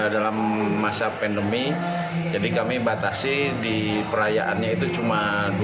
dalam masa pandemi jadi kami batasi di perayaannya itu cuma dua